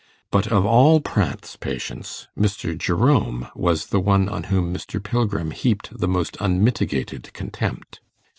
But of all Pratt's patients, Mr. Jerome was the one on whom Mr. Pilgrim heaped the most unmitigated contempt.